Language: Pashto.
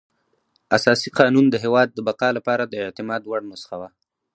اساسي قانون د هېواد د بقا لپاره د اعتماد وړ نسخه وه.